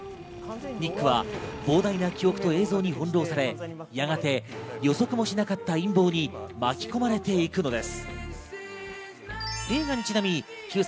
ニックは膨大な記憶と映像に翻弄され、やがて予測もしなかった陰謀に巻き込まれていくのです。